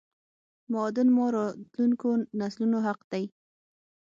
معادن مو راتلونکو نسلونو حق دی